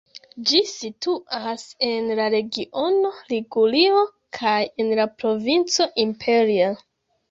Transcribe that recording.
Ĝi situas en la regiono Ligurio kaj en la provinco Imperia.